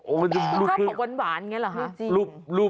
โอ้มันทำของหวานอย่างนี้เหรอฮะ